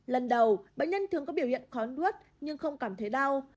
lần đầu bệnh nhân thường có biểu hiện khón nuốt nhưng không cảm thấy đau